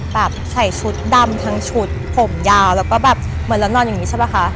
แบบใส่ชุดดำทั้งชุดผมยาวแล้วก็แบบเหมือนเรานอนอย่างนี้ใช่ป่ะคะ